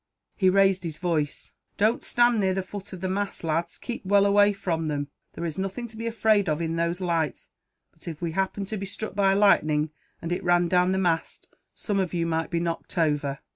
He raised his voice. "Don't stand near the foot of the masts, lads; keep well away from them. There is nothing to be afraid of, in those lights; but if we happened to be struck by lightning and it ran down the mast, some of you might be knocked over.